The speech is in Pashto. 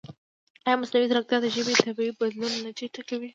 ایا مصنوعي ځیرکتیا د ژبې طبیعي بدلون نه چټکوي؟